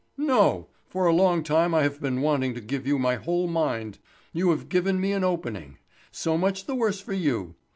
"No! For a long time I have been wanting to give you my whole mind! You have given me an opening—so much the worse for you.